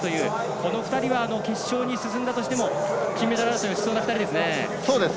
この２人は、決勝に進んでも金メダル争いをしそうな２人ですね。